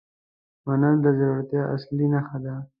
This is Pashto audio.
منل د زړورتیا اصلي نښه ده.